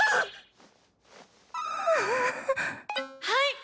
「はい！